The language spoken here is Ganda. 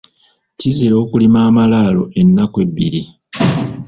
Kizira okulima amalaalo ennaku ebbiri.